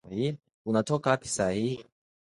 Unatoka wapi saa hii?